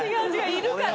いるから。